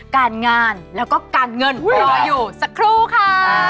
การงานแล้วก็การเงินรออยู่สักครู่ค่ะ